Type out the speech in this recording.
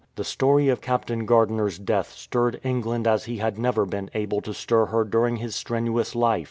The story of Captain Gardiner's death stirred England as he had never been able to stir her during his strenuous life.